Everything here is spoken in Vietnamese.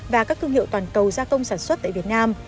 và các thương hiệu toàn cầu gia công sản xuất tại việt nam